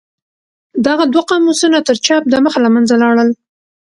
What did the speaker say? دغه دوه قاموسونه تر چاپ د مخه له منځه لاړل.